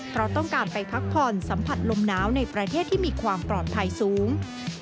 เพราะต้องการไปพักผ่อนสัมผัสลมหนาวในประเทศที่มีความปลอดภัยสูง